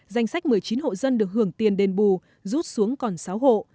danh sách một mươi chín hộ dân được hưởng tiền đền bù rút xuống còn sáu hộ